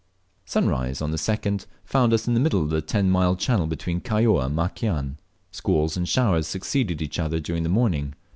Sunrise on the 2d found us in the middle of the ten mile channel between Kaióa and Makian. Squalls and showers succeeded each other during the morning.